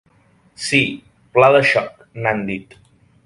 Sí, pla de xoc, n'han dit.